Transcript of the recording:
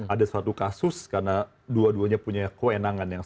ada suatu kasus karena dua duanya punya kewenangan ya